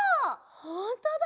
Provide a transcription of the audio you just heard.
ほんとだ！